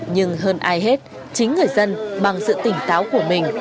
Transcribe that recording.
nhưng hơn ai hết chính người dân bằng sự tỉnh táo của mình